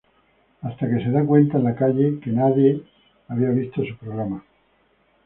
Hasta que se da cuenta en la calle que nadie vio su programa.